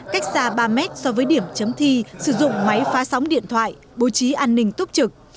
cách xa ba mét so với điểm chấm thi sử dụng máy phá sóng điện thoại bố trí an ninh tốt trực